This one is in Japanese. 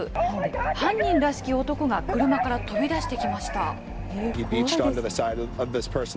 犯人らしき男が車から飛び出してきました。